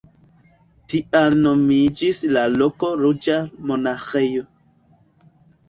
Tial nomiĝas la loko ruĝa monaĥejo.